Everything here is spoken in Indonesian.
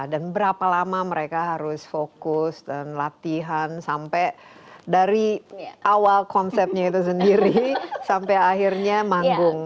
dan berapa lama mereka harus fokus dan latihan sampai dari awal konsepnya itu sendiri sampai akhirnya manggung